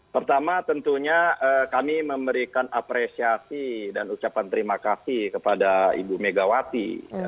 pertama tentunya kami memberikan apresiasi dan ucapan terima kasih kepada ibu megawati